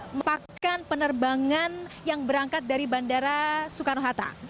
merupakan penerbangan yang berangkat dari bandara soekarno hatta